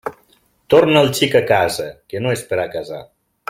Torna el xic a casa, que no és per a casar.